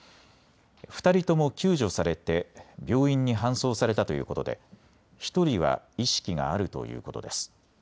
２人とも救助されて病院に搬送されたということで１人は意識があるということです。